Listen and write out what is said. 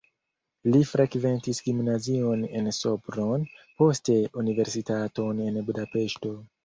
Li frekventis gimnazion en Sopron, poste universitaton en Budapeŝto.